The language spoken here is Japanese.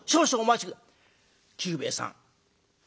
久兵衛さん